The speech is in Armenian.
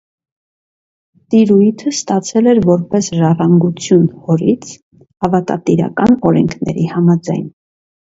Տիրույթը ստացել էր որպես ժառանգություն հորից՝ ավատատիրական օրենքների համաձայն։